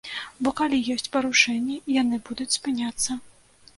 Бо калі ёсць парушэнні, яны будуць спыняцца.